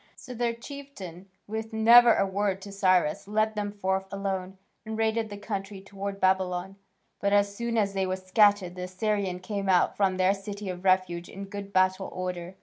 So their chieftain, with never a word to Cyrus, led them forth alone, and raided the country towards Babylon. But, as soon as they were scattered the Assyrians came out from their city of refuge in good battle order.